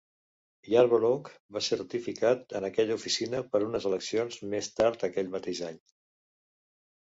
Yarborough va ser ratificat en aquella oficina per unes eleccions més tard aquell mateix any.